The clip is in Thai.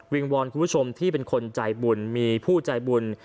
วอนคุณผู้ชมที่เป็นคนใจบุญมีผู้ใจบุญ